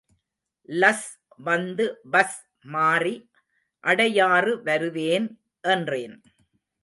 லஸ் வந்து பஸ் மாறி அடையாறு வருவேன் என்றேன்.